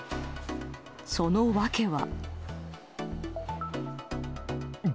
その訳は。